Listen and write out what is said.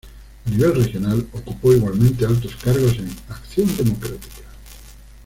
A nivel regional ocupó igualmente altos cargos en Acción Democrática.